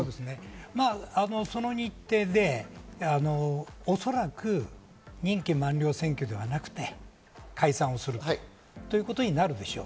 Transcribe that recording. その日程でおそらく任期満了選挙ではなくて解散をするということになるでしょう。